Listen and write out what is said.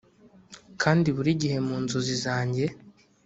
kandi buri gihe mu nzozi zanjye.